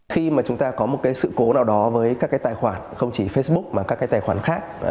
khi mà chúng ta có một sự cố nào đó với các tài khoản không chỉ facebook mà các tài khoản khác